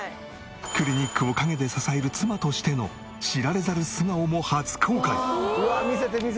クリニックを陰で支える妻としての知られざる素顔も初公開。